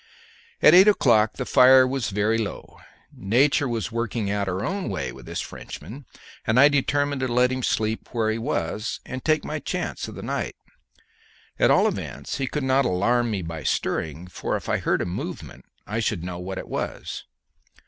At eight o'clock the fire was very low. Nature was working out her own way with this Frenchman, and I determined to let him sleep where he was, and take my chance of the night. At all events he could not alarm me by stirring, for if I heard a movement I should know what it was.